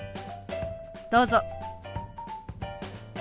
どうぞ。